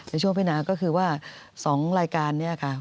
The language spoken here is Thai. ในช่วงพินาก็คือว่า๒รายการนี้ค่ะ